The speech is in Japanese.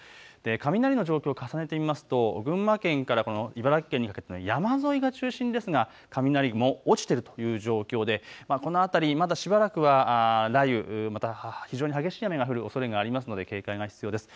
雷の状況を重ねてみますと群馬県から茨城県にかけての山沿いが中心ですが雷雲、落ちているという状況でまだ、しばらくは雷雨、非常に激しい雨が降るおそれがありますので警戒が必要です。